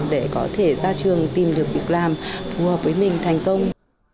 để có thể ra trường tìm được việc làm phù hợp với mình thành công